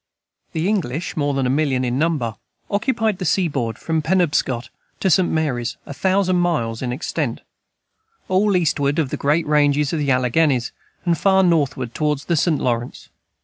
The English, more than a million in number, occupied the seaboard from the Penobscot to the St. Mary's, a thousand miles in extent; all eastward of the great ranges of the Alleganies, and far northward toward the St. Lawrence.